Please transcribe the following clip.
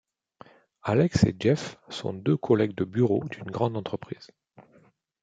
Alex et Jeff sont deux collègues de bureau d'une grande entreprise.